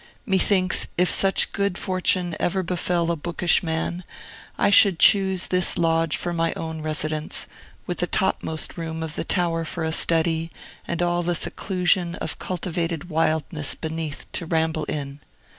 Methinks, if such good fortune ever befell a bookish man, I should choose this lodge for my own residence, with the topmost room of the tower for a study, and all the seclusion of cultivated wildness beneath to ramble in.